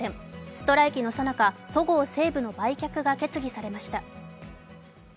ストライキのさなかそごう・西武の売却が決議されました。